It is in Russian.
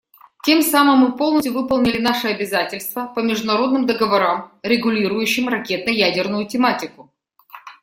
Тем самым мы полностью выполнили наши обязательства по международным договорам, регулирующим ракетно-ядерную тематику.